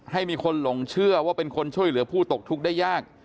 ให้มีคนหลงเชื่อว่าเป็นคนช่วยเหลือผู้ตกทุกข์ได้ยาก